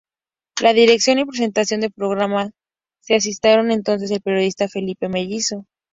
La dirección y presentación del programa se asignaron entonces al periodista Felipe Mellizo.